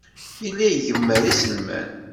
Yella igemmer iselman.